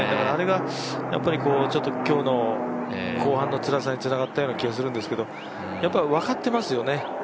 あれが今日の後半のつらさにつながったような気がするんですけどやっぱり分かってますよね